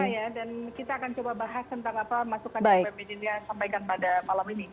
terima kasih ibu maidina itu akan menjadi kesempatan saya dan kita akan coba bahas tentang apa masukan ibu maidina sampaikan pada malam ini